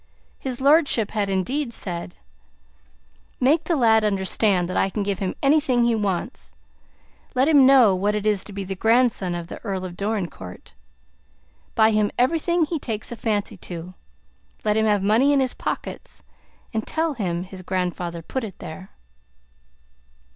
His lordship had, indeed, said: "Make the lad understand that I can give him anything he wants. Let him know what it is to be the grandson of the Earl of Dorincourt. Buy him everything he takes a fancy to; let him have money in his pockets, and tell him his grandfather put it there."